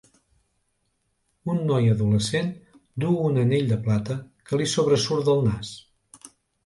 Un noi adolescent duu un anell de plata que li sobresurt del nas.